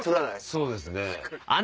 そうですね。